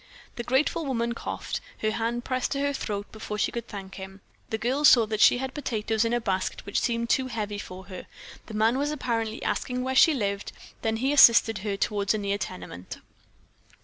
The grateful woman coughed, her hand pressed to her throat, before she could thank him. The girls saw that she had potatoes in a basket which seemed too heavy for her. The man was apparently asking where she lived; then he assisted her toward a near tenement.